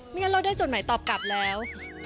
งั้นเราได้จดหมายตอบกลับแล้ว